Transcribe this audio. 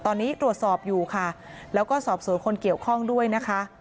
ตอนนี้ตรวจสอบอยู่ค่ะแล้วก็สอบสวนคนเกี่ยวข้องด้วยนะคะ